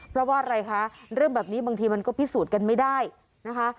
เพราะว่าอะไรคะเรื่องแบบนี้บางทีมันก็พิสูจน์กันไม่ได้นะคะ